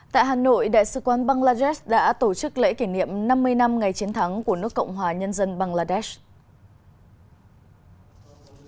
tại hà nội đại sứ quán bangladesh đã tổ chức lễ kỷ niệm năm mươi năm ngày chiến thắng của nước cộng hòa nhân dân bangladesh